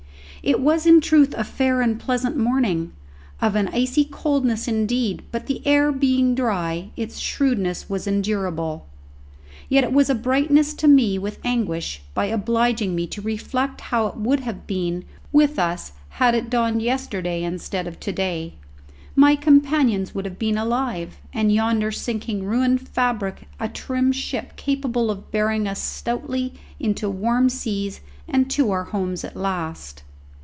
It was in truth a fair and pleasant morning of an icy coldness indeed, but the air being dry, its shrewdness was endurable. Yet was it a brightness to fill me with anguish by obliging me to reflect how it would have been with us had it dawned yesterday instead of to day. My companions would have been alive, and yonder sinking ruined fabric a trim ship capable of bearing us stoutly into warm seas and to our homes at last.